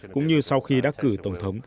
cũng như sau khi đắc cử tổng thống